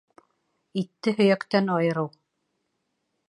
Итте һөйәктән айырыу